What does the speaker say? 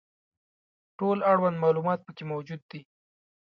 ټول اړوند معلومات پکې موجود وي.